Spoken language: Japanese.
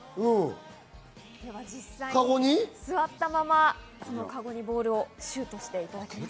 実際に座ったまま、カゴにボールをシュートしていただきます。